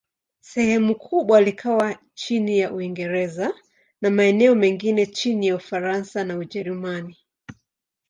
Sehemu kubwa likawa chini ya Uingereza, na maeneo mengine chini ya Ufaransa na Ujerumani.